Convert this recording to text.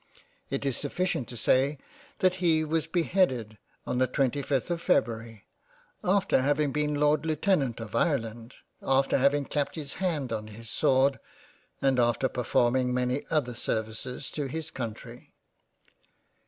It is sufficient to say that he was be headed on the 25 th of Feb, after having been Lord Lieutenant 93 g JANE AUSTEN £ of Ireland, after having clapped his hand on his sword, and after performing many other services to his Country.